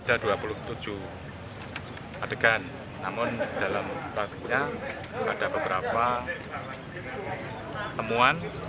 ada dua puluh tujuh adegan namun dalam pelakunya ada beberapa temuan